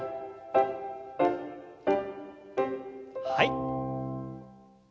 はい。